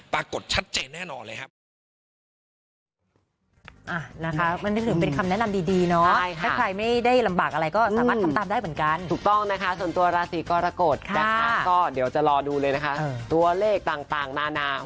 ปรากฏชัดเจนแน่นอนเลยครับ